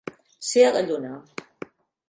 Ser a la lluna.